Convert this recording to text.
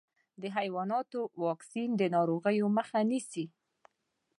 د حیواناتو واکسین د ناروغیو مخه نيسي.